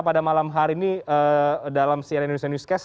pada malam hari ini dalam cnn indonesia newscast